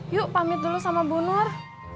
yuk pamit dulu sama bunur